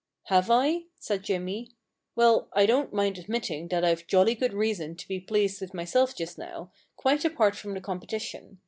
* Have I ?' said Jimmy. * Well, I don't mind admitting that I've jolly good reason to be pleased with myself just now, quite apart from the competition.